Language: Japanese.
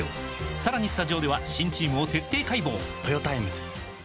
さらにスタジオでは新チームを徹底解剖！